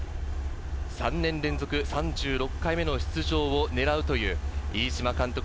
３年連続３６回目の出場を狙うという飯島監督